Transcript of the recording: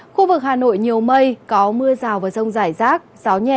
khu vực hà nội nhiều mây có mưa rào và rông rải rác gió nhẹ